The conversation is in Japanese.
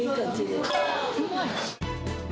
うまい。